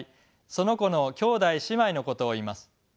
その子の兄弟姉妹のことを言います。